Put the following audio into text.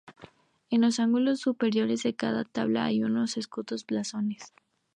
En los ángulos superiores de cada tabla hay unos escudos o blasones.